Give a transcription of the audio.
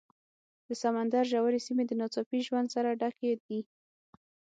د سمندر ژورې سیمې د ناڅاپي ژوند سره ډکې دي.